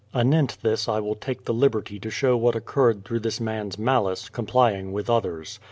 Anent this I will take the liberty to show what occurred through this man's malice, complying with others.